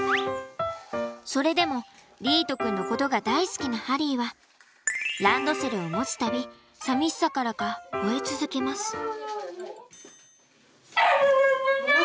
それでも莉絃くんのことが大好きなハリーはランドセルを持つ度寂しさからか吠え続けます。